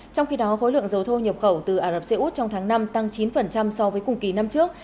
trong khi đó khối lượng dầu thô nhập khẩu từ ả rập xê út trong tháng năm tăng chín so với cùng kỳ năm trước